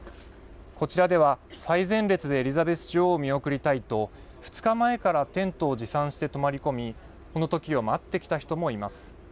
こちらでは最前列でエリザベス女王を見送りたいと２日前からテントを持参して泊り込みこの時を待ってきた人もいます。